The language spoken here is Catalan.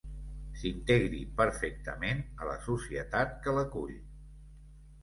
S'integri perfectament a la societat que l'acull.